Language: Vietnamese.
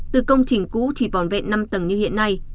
từ công trình cũ chỉ vòn vẹn năm tầng như hiện nay